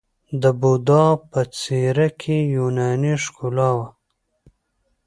د بودا په څیره کې یوناني ښکلا وه